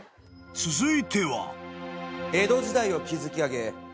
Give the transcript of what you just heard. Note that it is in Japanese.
［続いては］